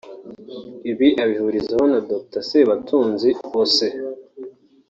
Ibi abihurizaho na Dr Sebatunzi Osee